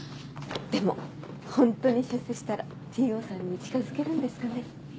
でもホントに出世したらＴ・Ｏさんに近づけるんですかね。